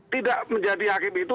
tidak menjadi hakim itu